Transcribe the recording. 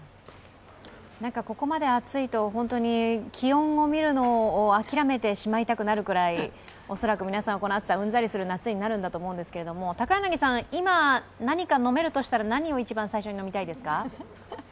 ここまで暑いと、気温を見るのを諦めてしまいたくなるぐらい、恐らく皆さんこの暑さ、うんざりする夏になると思うんですが高柳さん、今、何か飲めるとしたら、何を一番最初に飲みたいですか？